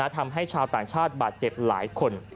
ทำให้ชาวต่างชาติบาดเจ็บหลายคน